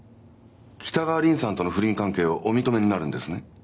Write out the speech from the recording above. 北川凛さんとの不倫関係をお認めになるんですね。